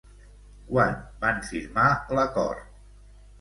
Quan van firmar l'acord?